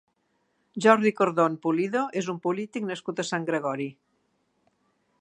Jordi Cordón Pulido és un polític nascut a Sant Gregori.